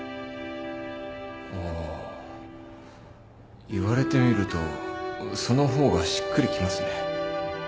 ああ言われてみるとその方がしっくりきますね。